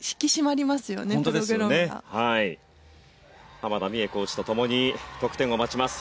濱田美栄コーチと共に得点を待ちます。